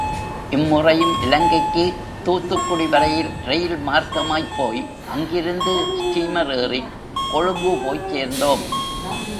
இம் முறையும் இலங்கைக்கு தூத்துக்குடி வரையில் ரெயில் மார்க்கமாய்ப் போய், அங்கிருந்து ஸ்டீமர் ஏறிக் கொழும்பு போய்ச் சேர்ந்தோம்.